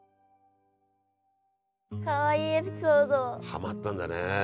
はまったんだね。